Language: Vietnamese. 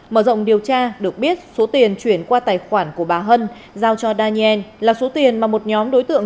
mở rộng điều tra được biết số tiền chuyển qua tài khoản của bà hân giao cho daien là số tiền mà một nhóm đối tượng